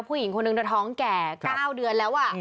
ผู้หญิงคนหนึ่งเธอท้องแก่๙เดือนแล้ว